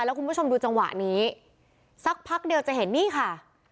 แล้วคุณผู้ชมดูจังหวะนี้สักพักเดียวจะเห็นนี่ค่ะ